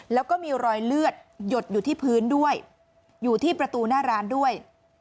แล้วก็มีรอยเลือดหยดอยู่ที่พื้นด้วยอยู่ที่ประตูหน้าร้านด้วย